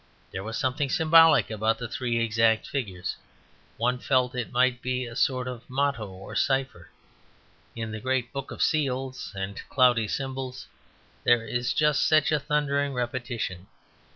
There was something symbolic about the three exact figures; one felt it might be a sort of motto or cipher. In the great book of seals and cloudy symbols there is just such a thundering repetition.